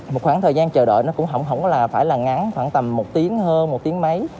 một khoảng thời gian chờ đợi nó cũng không phải là ngắn khoảng tầm một tiếng hơn một tiếng mấy